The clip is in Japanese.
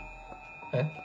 えっ？